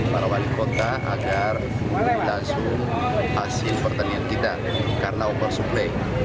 para wali kota agar langsung hasil pertanian kita karena oversupply